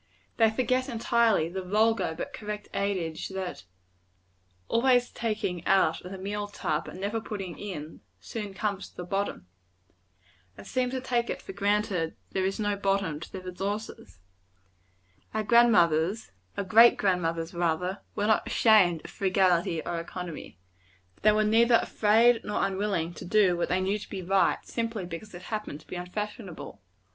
They forget, entirely, the vulgar but correct adage, that "always taking out of the meal tub, and never putting in, soon comes to the bottom" and seem to take it for granted there is no bottom to their resources. Our grand mothers our great grand mothers, rather were not ashamed of frugality or economy. They were neither afraid nor unwilling to do what they knew to be right, simply because it happened to be unfashionable.